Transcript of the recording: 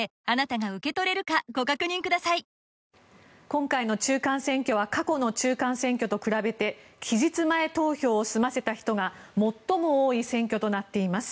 今回の中間選挙は過去の中間選挙と比べて期日前投票を済ませた人が最も多い選挙となっています。